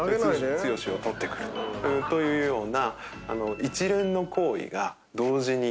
というような。